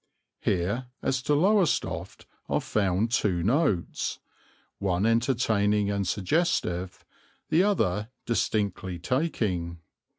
Here as to Lowestoft are found two notes, one entertaining and suggestive, the other distinctly taking.